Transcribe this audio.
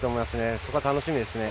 そこは楽しみです。